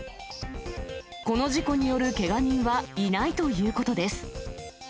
この事故によるけが人はいないということです。